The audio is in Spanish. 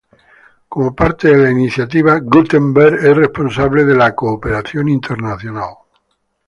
Como parte de la iniciativa, Guttenberg es responsable de la cooperación internacional.